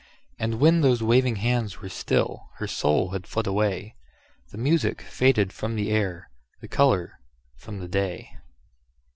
And when those waving hands were still,—Her soul had fled away,—The music faded from the air, The color from the day.